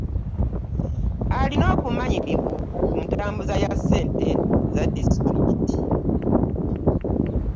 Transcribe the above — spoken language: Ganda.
Alina obumanyirivu ku ntambuza ya ssente za disitulikiti.